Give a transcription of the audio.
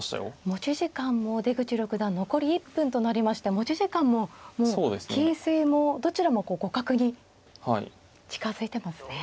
持ち時間も出口六段残り１分となりまして持ち時間も形勢もどちらも互角に近づいてますね。